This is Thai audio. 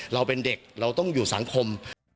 เราเป็นเด็กเราต้องอยู่สังคม